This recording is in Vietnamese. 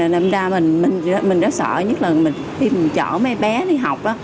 năm ra mình rất sợ nhất là khi mình chở mấy bé đi học đó